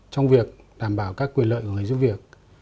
trong việc đảm bảo các quyền lợi của người giúp việc